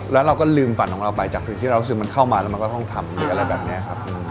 แล้วเราก็ลืมฝันของเราไปจากสิ่งที่เรารู้สึกมันเข้ามาแล้วมันก็ต้องทำหรืออะไรแบบนี้ครับ